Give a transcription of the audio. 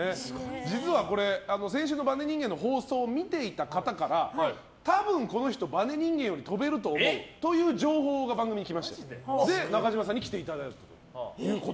実は、先週のバネ人間の放送を見ていた方から多分、この人バネ人間より跳べるという情報が番組に来まして中島さんに来ていただきました。